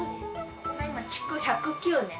ここが今築１０９年。